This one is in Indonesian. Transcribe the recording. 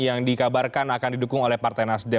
yang dikabarkan akan didukung oleh partai nasdem